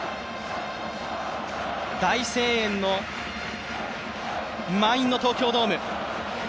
大声援の満員の東京ドーム。